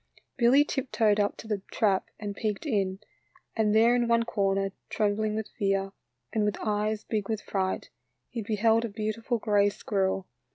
Billy tiptoed up to the trap and peeked in, 78 THE LITTLE FORESTERS. and there in one corner, trembling with fear, and with eyes big with fright, he beheld a beautiful gray squirrel.